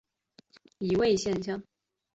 费城染色体相关的特殊染色体易位现象。